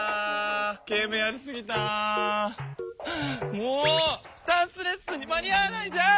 もうダンスレッスンに間に合わないじゃん！